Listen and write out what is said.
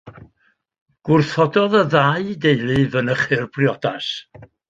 Gwrthododd y ddau deulu fynychu'r briodas.